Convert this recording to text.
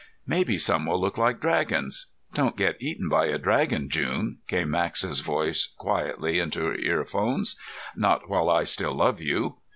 "Maybe some will look like dragons. Don't get eaten by a dragon, June," came Max's voice quietly into her earphones. "Not while I still love you."